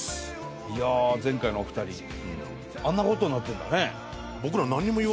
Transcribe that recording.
いや前回のお二人あんな事になってるんだね。